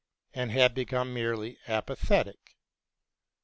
and had become merely apathetic.